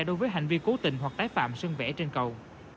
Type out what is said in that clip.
đối với hành vi cố tình hoặc tái phạm sương vẽ trên cầu